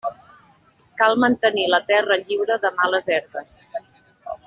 Cal mantenir la terra lliure de males herbes.